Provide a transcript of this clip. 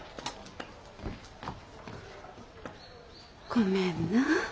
ごめんな。